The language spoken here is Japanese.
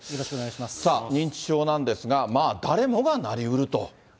さあ、認知症なんですが、誰もがなりうると。